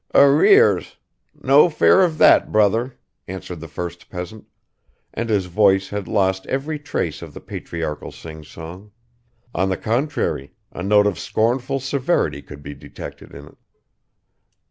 "Arrears? No fear of that, brother," answered the first peasant, and his voice had lost every trace of the patriarchal sing song; on the contrary, a note of scornful severity could be detected in it.